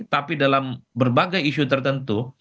tapi dalam berbagai isu tertentu